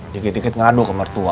dikit dikit ngaduk ke mertua